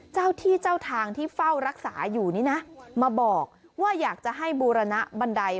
เจ้าที่เจ้าทางที่เฝ้ารักษาอยู่นี่นะมาบอกว่าอยากจะให้บูรณะบันได